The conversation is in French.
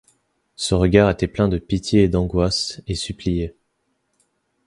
Ce regard était plein de pitié et d’angoisse et suppliait.